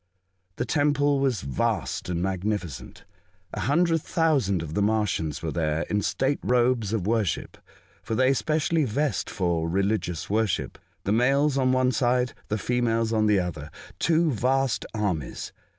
The Temple was vast and magnificent. A hundred thousand of the Martians were there in state robes of worship (for they specially vest for religious worship), the males on one side, the females on the other — two vast armies.